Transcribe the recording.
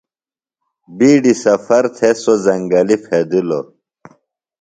بیڈیۡ سفر تھےۡ سوۡ زنگلیۡ پھیدِلوۡ۔